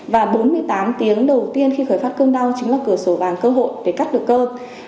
và bốn mươi tám tiếng đầu tiên khi khởi phát cơn đau chính là cửa sổ vàng cơ hội để cắt được cơ